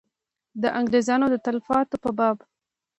د انګرېزیانو د تلفاتو په باب.